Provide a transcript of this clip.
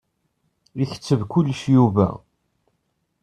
Iketteb kullec Yuba.